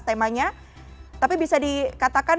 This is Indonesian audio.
temanya tapi bisa dikatakan